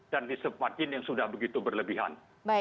dan reserve margin yang sudah begitu berlebihan